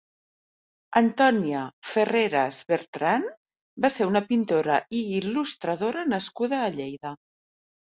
Antònia Ferreras Bertran va ser una pintora i il·lustradora nascuda a Lleida.